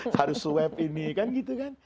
harus swab ini kan gitu kan